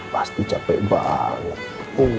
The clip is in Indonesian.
pasti capek banget